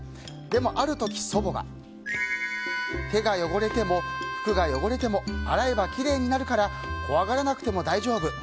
でも、ある時、祖母が手が汚れても、服が汚れても洗えばきれいになるから怖がらなくても大丈夫。